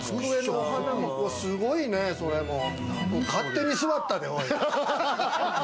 勝手に座ったで、おい。